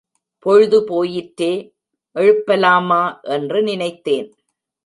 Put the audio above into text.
பொழுது போயிற்றே, எழுப்பலாமா என்று நினைத்தேன்.